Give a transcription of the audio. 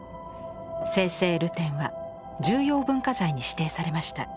「生々流転」は重要文化財に指定されました。